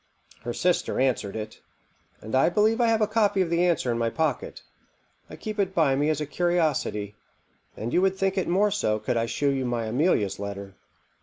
Her sister answered it, and I believe I have a copy of the answer in my pocket. I keep it by me as a curiosity, and you would think it more so could I shew you my Amelia's letter."